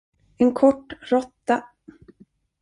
En kort råtta.